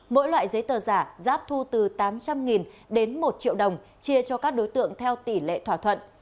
mỗi loại giấy tờ giả giáp thu từ tám trăm linh đến một triệu đồng chia cho các đối tượng theo tỷ lệ thỏa thuận